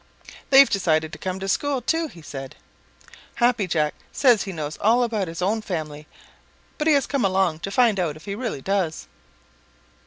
"They've decided to come to school, too," said he. "Happy Jack says he knows all about his own family, but he has come along to find out if he really does."